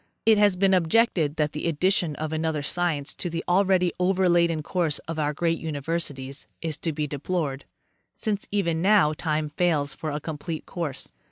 It has been objected that the addition of another science to the already overladen course of our great universities is to be deplored, since even now time fails for a complete course.